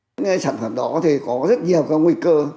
những sản phẩm đó có rất nhiều nguy cơ